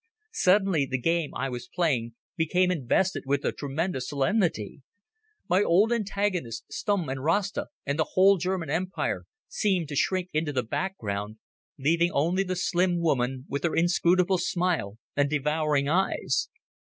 Suddenly the game I was playing became invested with a tremendous solemnity. My old antagonists, Stumm and Rasta and the whole German Empire, seemed to shrink into the background, leaving only the slim woman with her inscrutable smile and devouring eyes.